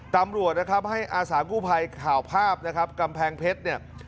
ตำรวจนะครับให้อาสากู้ภัยข่าวภาพนะครับกำแพงเพชรเนี่ย